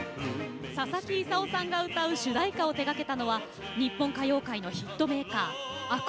ささきいさおさんが歌う主題歌を手がけたのは日本歌謡界のヒットメーカー阿久